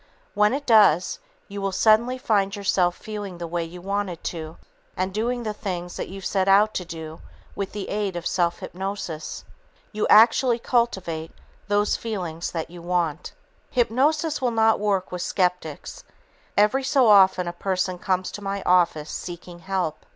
When it does, you will suddenly find yourself feeling the way you wanted to and doing the things that you set out to do with the aid of self hypnosis. You actually cultivate those feelings that you want. Hypnosis will not work with skeptics. Every so often such a person comes to my office seeking help.